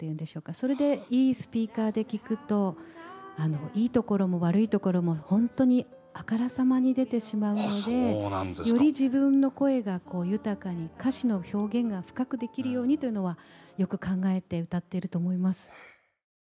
それで、いいスピーカーで聴くといいところも悪いところも本当に、あからさまに出てしまうのでより自分の声が豊かに歌詞の表現が深くできるようにというのはよく考えて歌っていると思います。